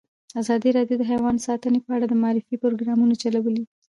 ازادي راډیو د حیوان ساتنه په اړه د معارفې پروګرامونه چلولي.